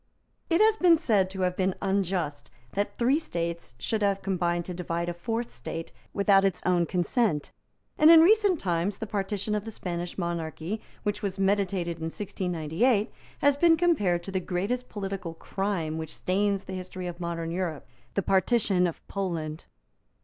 It has been said to have been unjust that three states should have combined to divide a fourth state without its own consent; and, in recent times, the partition of the Spanish monarchy which was meditated in 1698 has been compared to the greatest political crime which stains the history of modern Europe, the partition of Poland.